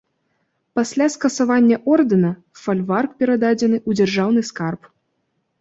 Пасля скасавання ордэна, фальварак перададзены ў дзяржаўны скарб.